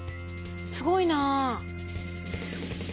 すごいな。